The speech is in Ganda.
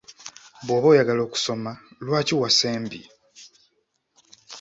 Bw’oba oyagala okusoma, lwaki wasembye?